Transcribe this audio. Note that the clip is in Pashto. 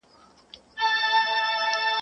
د میوند لنډۍ به وایو له تاریخ سره نڅیږو !.